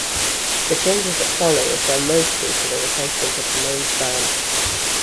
The changes that follow refer mostly to the replacement of the main span.